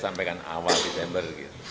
saya sampaikan awal desember